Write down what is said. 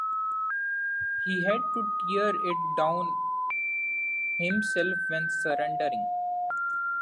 He had to tear it down himself when surrendering.